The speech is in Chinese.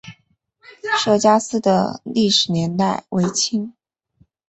聂家寺的历史年代为清。